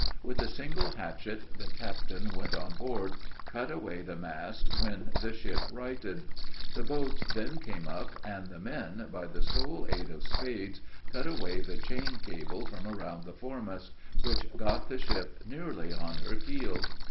With a single hatchet, the captain went on board, cut away the mast, when the ship righted. The boats then came up, and the men, by the sole aid of spades, cut away the chain cable from around the foremast, which got the ship nearly on her keel.